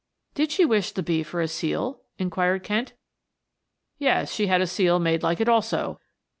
"Did she wish the 'B' for a seal?" inquired Kent. "Yes, she had a seal made like it also."